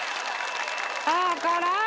ああ辛ーい！